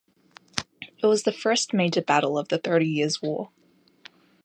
It was the first major battle of the Thirty Years' War.